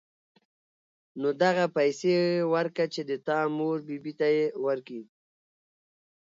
نو دغه پيسې ورکه چې د تا مور بي بي ته يې ورکي.